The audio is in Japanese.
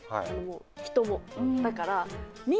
人も。